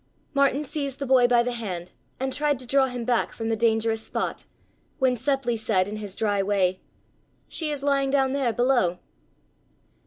Martin seized the boy by the hand and tried to draw him back from the dangerous spot, when Seppli said in his dry way: "She is lying down there below."